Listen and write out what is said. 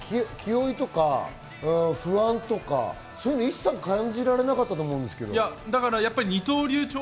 気負いとか不安とか一切感じられなかったと思うんですけれども。